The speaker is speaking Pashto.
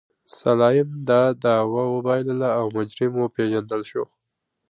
سلایم دا دعوه وبایلله او مجرم وپېژندل شو.